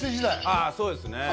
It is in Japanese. ああそうですね